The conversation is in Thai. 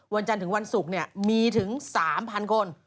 วันจันทร์ถึงวันศุกร์มีถึง๓๐๐คน